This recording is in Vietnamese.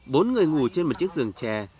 bốn người ngủ trên một chiếc giường tre